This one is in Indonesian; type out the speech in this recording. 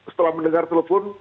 setelah mendengar telepon